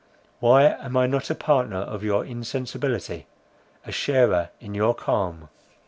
—Why am I not a partner of your insensibility, a sharer in your calm!"